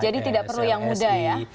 jadi tidak perlu yang muda ya